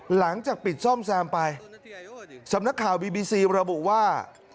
หลังจากปิดซ่อมแซมไปสำนักข่าวบีบีซีระบุว่า